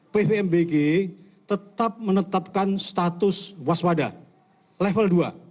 bpmbg tetap menetapkan status waswada level dua